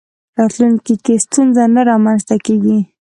راتلونکي کې ستونزه نه رامنځته کېږي.